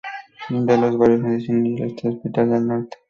Linda con los barrios Medicina al este y Hospital al norte.